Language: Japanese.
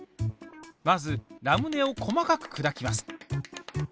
まずラムネを細かくくだきます。